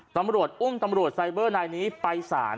ตำรวจอุ้มตำรวจไซเบอร์นายนี้ไปสาร